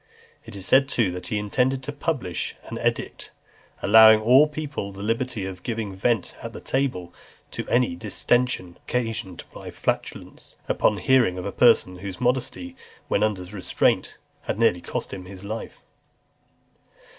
It is said, too, that he intended to publish an edict, "allowing to all people the liberty of giving vent at table to any distension occasioned by flatulence," upon hearing of a person whose modesty, when under restraint, had nearly cost him his life.